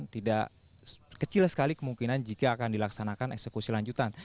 tidak kecil sekali kemungkinan jika akan dilaksanakan eksekusi lanjutan